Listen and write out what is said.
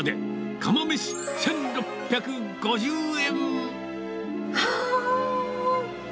釜めし１６５０円。